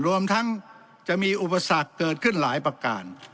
รวมทั้งจะมีอุปสรรคเกิดขึ้นหลายประการ